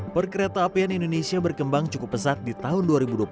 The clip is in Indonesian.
perkereta apian indonesia berkembang cukup pesat di tahun dua ribu dua puluh satu